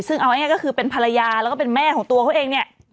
ซึ่งเอาง่ายก็คือเป็นภรรยาแล้วก็เป็นแม่ของตัวเขาเองเนี่ย